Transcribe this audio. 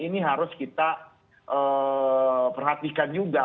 ini harus kita perhatikan juga